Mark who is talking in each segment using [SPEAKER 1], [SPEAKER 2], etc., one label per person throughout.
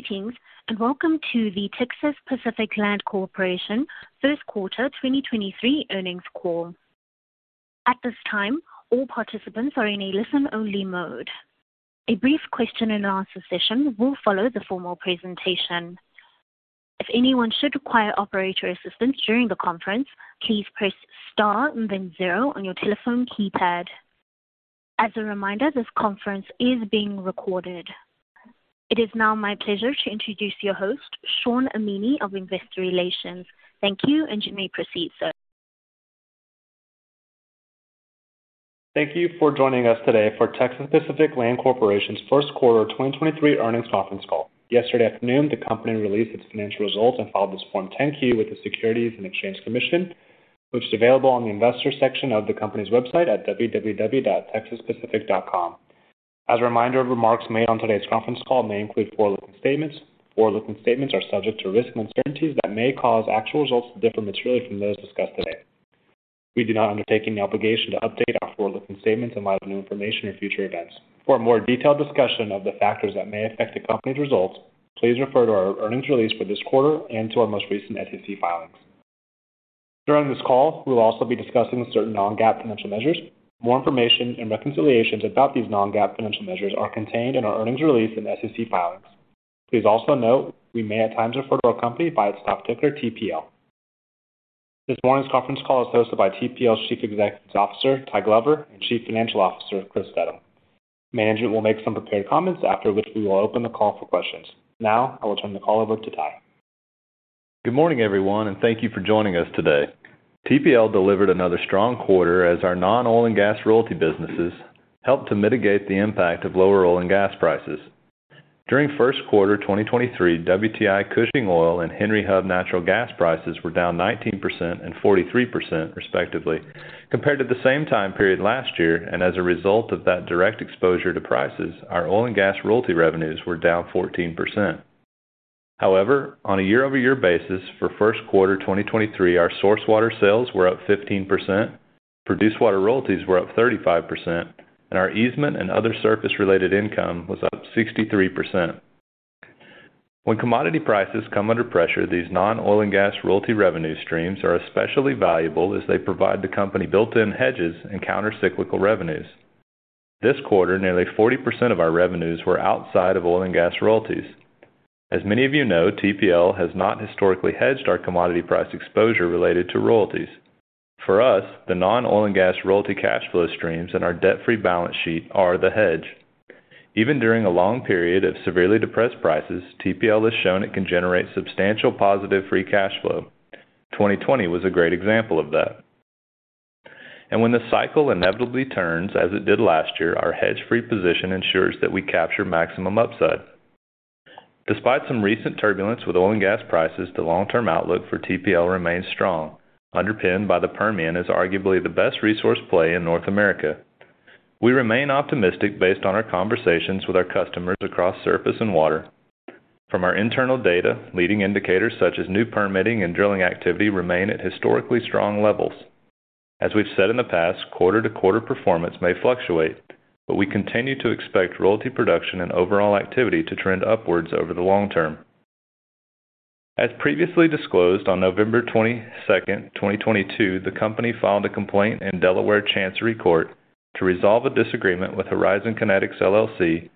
[SPEAKER 1] Greetings, welcome to the Texas Pacific Land Corporation Q1 2023 earnings call. At this time, all participants are in a listen-only mode. A brief Q&A session will follow the formal presentation. If anyone should require operator assistance during the conference, please press star and then zero on your telephone keypad. As a reminder, this conference is being recorded. It is now my pleasure to introduce your host, Shawn Amini of Investor Relations. Thank you may proceed, sir.
[SPEAKER 2] Thank you for joining us today for Texas Pacific Land Corporation's Q1 2023 earnings conference call. Yesterday afternoon, the company released its financial results and filed its Form 10-K with the Securities and Exchange Commission, which is available on the investor section of the company's website at www.texaspacific.com. As a reminder, remarks made on today's conference call may include forward-looking statements. Forward-looking statements are subject to risks and uncertainties that may cause actual results to differ materially from those discussed today. We do not undertake any obligation to update our forward-looking statements in light of new information or future events. For a more detailed discussion of the factors that may affect the company's results, please refer to our earnings release for this quarter and to our most recent SEC filings. During this call, we will also be discussing certain non-GAAP financial measures. More information and reconciliations about these non-GAAP financial measures are contained in our earnings release and SEC filings. Please also note we may at times refer to our company by its stock ticker, TPL. This morning's conference call is hosted by TPL's Chief Executive Officer, Ty Glover, and Chief Financial Officer, Chris Steddum. Management will make some prepared comments, after which we will open the call for questions. I will turn the call over to Ty.
[SPEAKER 3] Good morning, everyone, and thank you for joining us today. TPL delivered another strong quarter as our non-oil and gas royalty businesses helped to mitigate the impact of lower oil and gas prices. During Q1 2023, WTI Cushing oil and Henry Hub natural gas prices were down 19% and 43%, respectively, compared to the same time period last year. As a result of that direct exposure to prices, our oil and gas royalty revenues were down 14%. However, on a year-over-year basis for Q1 2023, our source water sales were up 15%, produced water royalties were up 35%, and our easement and other surface-related income was up 63%. When commodity prices come under pressure, these non-oil and gas royalty revenue streams are especially valuable as they provide the company built-in hedges and counter-cyclical revenues. This quarter, nearly 40% of our revenues were outside of oil and gas royalties. As many of you know, TPL has not historically hedged our commodity price exposure related to royalties. For us, the non-oil and gas royalty cash flow streams and our debt-free balance sheet are the hedge. Even during a long period of severely depressed prices, TPL has shown it can generate substantial positive free cash flow. 2020 was a great example of that. When the cycle inevitably turns, as it did last year, our hedge-free position ensures that we capture maximum upside. Despite some recent turbulence with oil and gas prices, the long-term outlook for TPL remains strong, underpinned by the Permian as arguably the best resource play in North America. We remain optimistic based on our conversations with our customers across surface and water. From our internal data, leading indicators such as new permitting and drilling activity remain at historically strong levels. As we've said in the past, quarter-to-quarter performance may fluctuate, but we continue to expect royalty production and overall activity to trend upwards over the long term. As previously disclosed on November 22nd, 2022, the company filed a complaint in Delaware Chancery Court to resolve a disagreement with Horizon Kinetics LLC,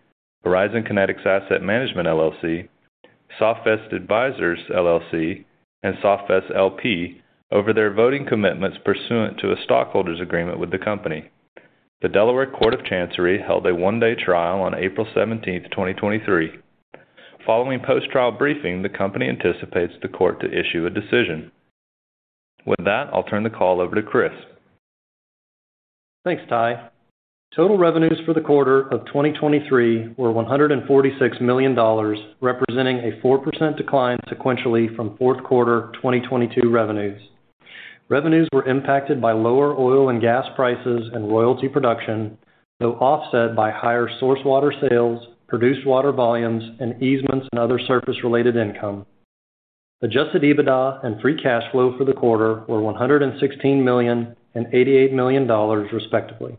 [SPEAKER 3] Horizon Kinetics Asset Management LLC, SoftVest Advisors, LLC, and SoftVest, L.P. over their voting commitments pursuant to a Stockholders' Agreement with the company. The Delaware Court of Chancery held a one-day trial on April 17th, 2023. Following post-trial briefing, the company anticipates the Court to issue a decision. With that, I'll turn the call over to Chris.
[SPEAKER 2] Thanks, Ty. Total revenues for the quarter of 2023 were $146 million, representing a 4% decline sequentially from Q4 2022 revenues. Revenues were impacted by lower oil and gas prices and royalty production, though offset by higher source water sales, produced water volumes and easements and other surface-related income. Adjusted EBITDA and free cash flow for the quarter were $116 million and $88 million, respectively.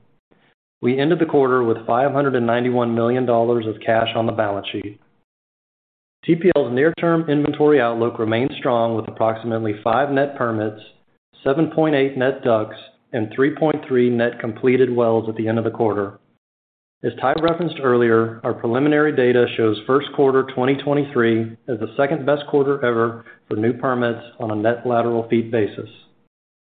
[SPEAKER 2] We ended the quarter with $591 million of cash on the balance sheet. TPL's near-term inventory outlook remains strong with approximately 5 net permits, 7.8 net DUCs, and 3.3 net completed wells at the end of the quarter. As Ty referenced earlier, our preliminary data shows Q1 2023 as the second-best quarter ever for new permits on a net lateral feet basis.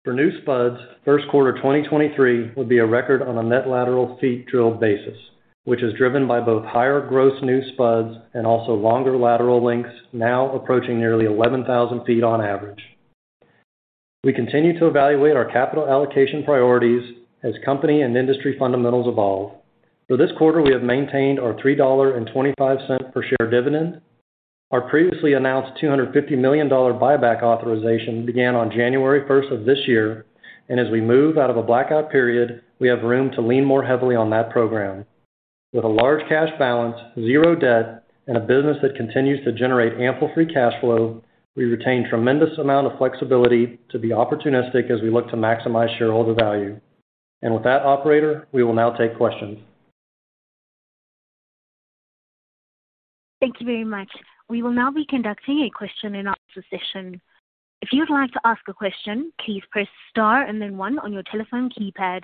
[SPEAKER 2] For new spuds, Q1 2023 will be a record on a net lateral feet drilled basis, which is driven by both higher gross new spuds and also longer lateral lengths, now approaching nearly 11,000 feet on average. We continue to evaluate our capital allocation priorities as company and industry fundamentals evolve. For this quarter, we have maintained our $3.25 per share dividend. Our previously announced $250 million buyback authorization began on January 1st of this year. As we move out of a blackout period, we have room to lean more heavily on that program. With a large cash balance, zero debt, and a business that continues to generate ample free cash flow, we retain tremendous amount of flexibility to be opportunistic as we look to maximize shareholder value.
[SPEAKER 4] With that operator, we will now take questions.
[SPEAKER 1] Thank you very much. We will now be conducting a Q&A session. If you'd like to ask a question, please press star and then 1 on your telephone keypad.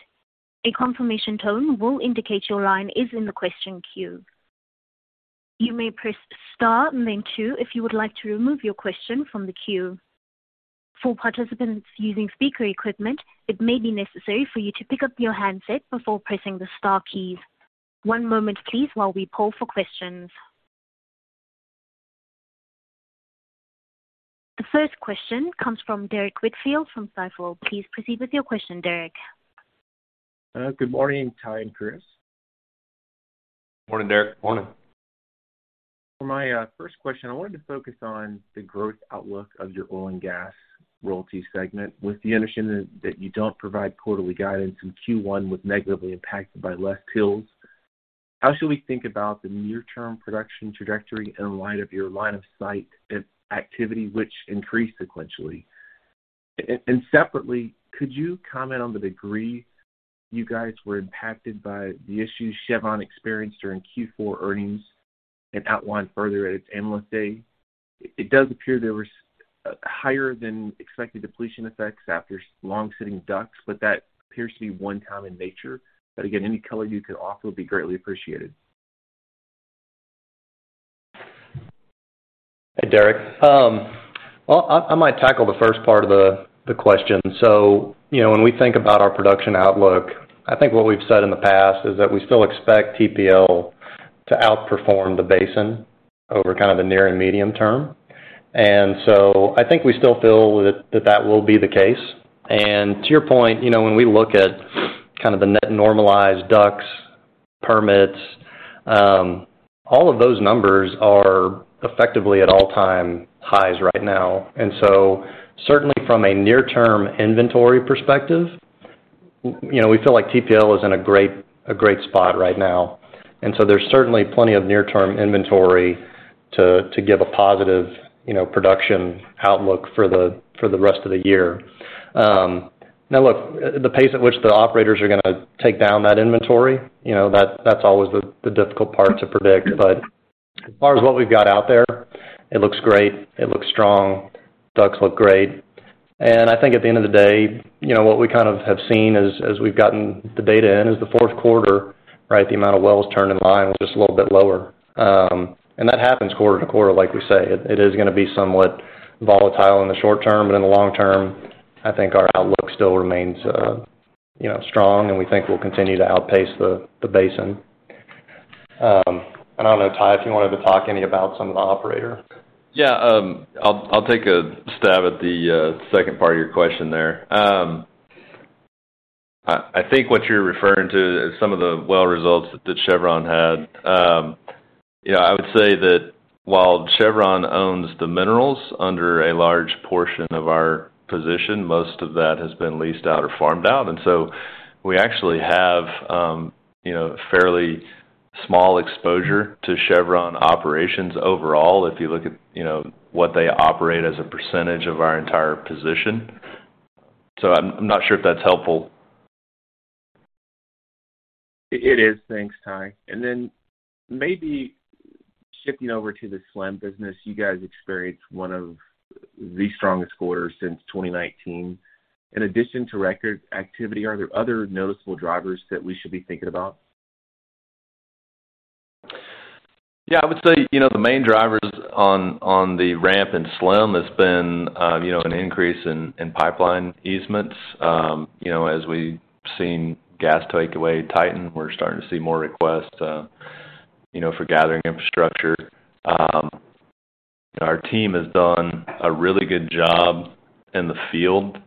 [SPEAKER 1] A confirmation tone will indicate your line is in the question queue. You may press star and then 2 if you would like to remove your question from the queue. For participants using speaker equipment, it may be necessary for you to pick up your handset before pressing the star keys. 1 moment please while we poll for questions. The first question comes from Derrick Whitfield from Stifel. Please proceed with your question, Derrick.
[SPEAKER 5] Good morning, Ty and Chris.
[SPEAKER 4] Morning, Derrick.
[SPEAKER 3] Morning.
[SPEAKER 5] For my first question, I wanted to focus on the growth outlook of your oil and gas royalty segment with the understanding that you don't provide quarterly guidance from Q1 was negatively impacted by less deals. How should we think about the near-term production trajectory in light of your line of sight and activity which increased sequentially? Separately, could you comment on the degree you guys were impacted by the issues Chevron experienced during Q4 earnings and outlined further at its analyst day? It does appear there was higher than expected depletion effects after long-sitting DUCs, that appears to be one-time in nature. Again, any color you can offer would be greatly appreciated.
[SPEAKER 4] Hey, Derrick. Well, I might tackle the first part of the question. You know, when we think about our production outlook, I think what we've said in the past is that we still expect TPL to outperform the basin over kind of the near and medium term. I think we still feel that will be the case. To your point, you know, when we look at kind of the net normalized DUCs permits, all of those numbers are effectively at all-time highs right now. Certainly from a near-term inventory perspective, we feel like TPL is in a great spot right now. There's certainly plenty of near-term inventory to give a positive, you know, production outlook for the rest of the year. Now look, the pace at which the operators are gonna take down that inventory, you know, that's always the difficult part to predict. As far as what we've got out there, it looks great. It looks strong, DUCs look great. I think at the end of the day, you know, what we kind of have seen as we've gotten the data in is the Q4, right? The amount of wells turned in line was just a little bit lower. That happens quarter to quarter, like we say. It is gonna be somewhat volatile in the short term, but in the long term, I think our outlook still remains, you know, strong, and we think we'll continue to outpace the basin. I don't know, Ty, if you wanted to talk any about some of the operator.
[SPEAKER 3] Yeah, I'll take a stab at the second part of your question there. I think what you're referring to is some of the well results that Chevron had. You know, I would say that while Chevron owns the minerals under a large portion of our position, most of that has been leased out or farmed out. We actually have, you know, fairly small exposure to Chevron operations overall, if you look at, you know, what they operate as a percentage of our entire position. I'm not sure if that's helpful.
[SPEAKER 5] It is. Thanks, Ty. Maybe shifting over to the SLM business, you guys experienced one of the strongest quarters since 2019. In addition to record activity, are there other noticeable drivers that we should be thinking about?
[SPEAKER 3] Yeah, I would say, you know, the main drivers on the ramp in SLM has been, you know, an increase in pipeline easements. You know, as we've seen gas takeaway tighten, we're starting to see more requests, you know, for gathering infrastructure. Our team has done a really good job in the field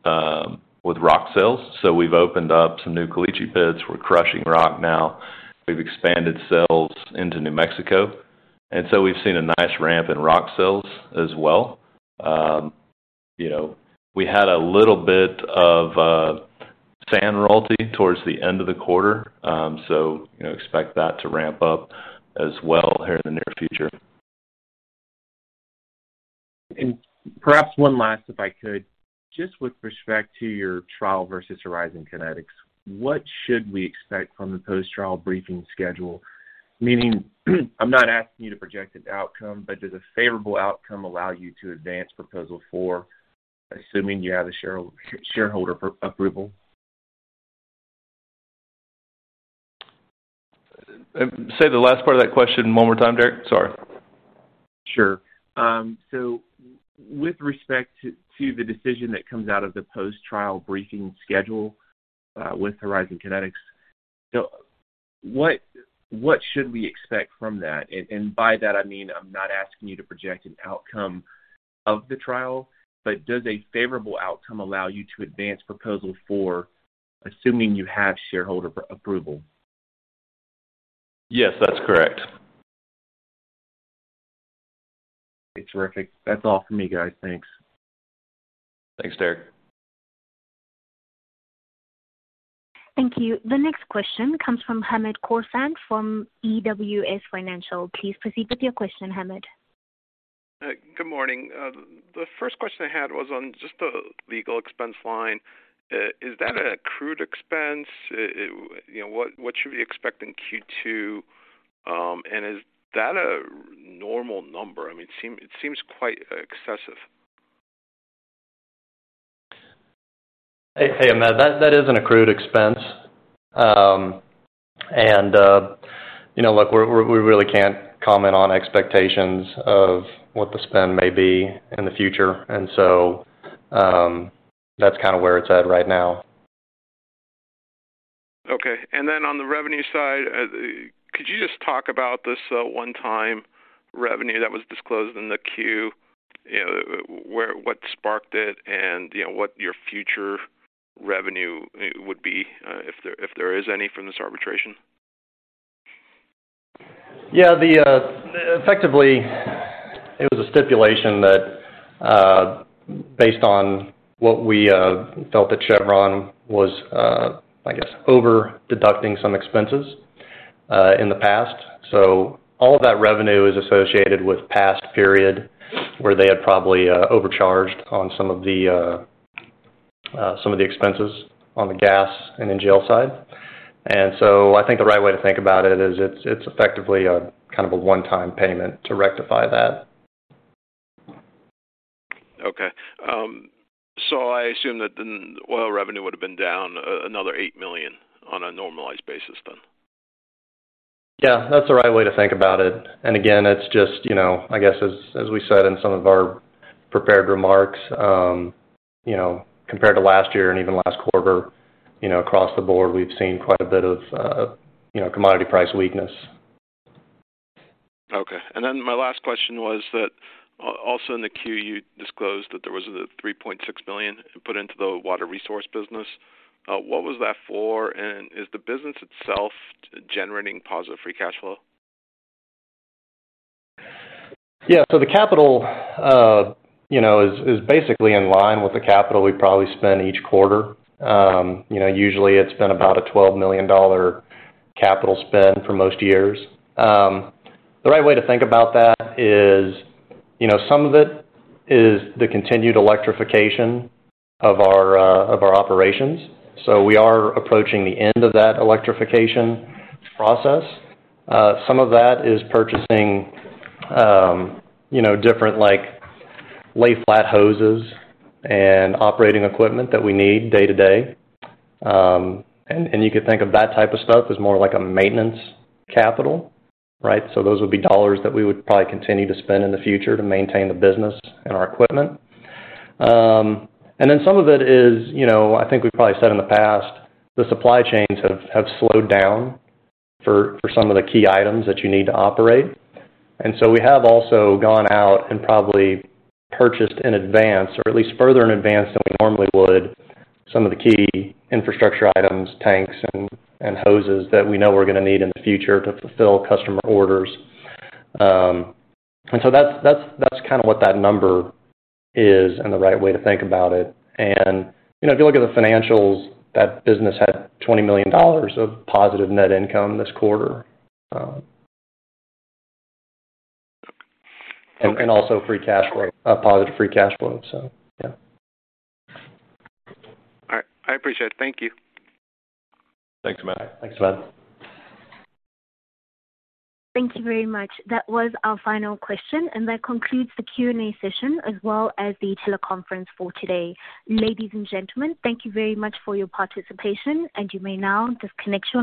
[SPEAKER 3] with rock sales. We've opened up some new Caliche pits. We're crushing rock now. We've expanded sales into New Mexico. We've seen a nice ramp in rock sales as well. You know, we had a little bit of sand royalty towards the end of the quarter. You know, expect that to ramp up as well here in the near future.
[SPEAKER 5] Perhaps one last, if I could. Just with respect to your trial versus Horizon Kinetics, what should we expect from the post-trial briefing schedule? Meaning, I'm not asking you to project an outcome, but does a favorable outcome allow you to advance Proposal 4, assuming you have the shareholder approval?
[SPEAKER 3] Say the last part of that question one more time, Derrick. Sorry.
[SPEAKER 5] Sure. With respect to the decision that comes out of the post-trial briefing schedule with Horizon Kinetics, so what should we expect from that? By that I mean, I'm not asking you to project an outcome of the trial, but does a favorable outcome allow you to advance Proposal 4, assuming you have shareholder approval?
[SPEAKER 3] Yes, that's correct.
[SPEAKER 5] Okay. Terrific. That's all for me, guys. Thanks.
[SPEAKER 3] Thanks, Derrick.
[SPEAKER 1] Thank you. The next question comes from Hamed Khorsand from BWS Financial. Please proceed with your question, Hamed.
[SPEAKER 6] Good morning. The first question I had was on just the legal expense line. Is that an accrued expense? You know, what should we expect in Q2? Is that a normal number? I mean, it seems quite excessive.
[SPEAKER 4] Hey, Hamed, that is an accrued expense. You know, look, we really can't comment on expectations of what the spend may be in the future. That's kinda where it's at right now.
[SPEAKER 6] Okay. Then on the revenue side, could you just talk about this one-time revenue that was disclosed in the Q, you know, what sparked it and, you know, what your future revenue would be, if there is any from this arbitration?
[SPEAKER 4] Yeah. Effectively, it was a stipulation that, based on what we felt that Chevron was, I guess, over-deducting some expenses, in the past. All of that revenue is associated with past period where they had probably, overcharged on some of the, some of the expenses on the gas and NGL side. I think the right way to think about it is it's effectively a kind of a one-time payment to rectify that.
[SPEAKER 6] Okay. I assume that the oil revenue would have been down, another $8 million on a normalized basis then.
[SPEAKER 4] Yeah, that's the right way to think about it. Again, it's just, you know, I guess as we said in some of our prepared remarks, you know, compared to last year and even last quarter, you know, across the board, we've seen quite a bit of, you know, commodity price weakness.
[SPEAKER 6] Okay. My last question was that also in the Q, you disclosed that there was a $3.6 billion put into the water resource business. What was that for? Is the business itself generating positive free cash flow?
[SPEAKER 4] Yeah. The capital, you know, is basically in line with the capital we probably spend each quarter. You know, usually it's been about a $12 million capital spend for most years. The right way to think about that is, you know, some of it is the continued electrification of our operations. We are approaching the end of that electrification process. Some of that is purchasing, you know, different like lay-flat hoses and operating equipment that we need day-to-day. And you could think of that type of stuff as more like a maintenance capital, right? Those would be dollars that we would probably continue to spend in the future to maintain the business and our equipment. Some of it is, you know, I think we've probably said in the past, the supply chains have slowed down for some of the key items that you need to operate. We have also gone out and probably purchased in advance or at least further in advance than we normally would, some of the key infrastructure items, tanks and hoses that we know we're gonna need in the future to fulfill customer orders. That's kind of what that number is and the right way to think about it. You know, if you look at the financials, that business had $20 million of positive net income this quarter.
[SPEAKER 6] Okay.
[SPEAKER 4] Also free cash flow. A positive free cash flow. Yeah.
[SPEAKER 6] All right. I appreciate it. Thank you.
[SPEAKER 4] Thanks, Hamed.
[SPEAKER 5] Thanks, Hamed.
[SPEAKER 1] Thank you very much. That was our final question, and that concludes the Q&A session as well as the teleconference for today. Ladies and gentlemen, thank you very much for your participation, and you may now disconnect your lines.